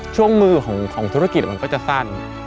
ช่วงมือของธุรกิจมันก็จะสั้น